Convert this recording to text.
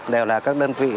đều là các đơn vị